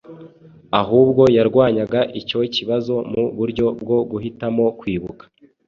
ahubwo yarwanyaga icyo kibazo mu buryo bwo guhitamo kwibuka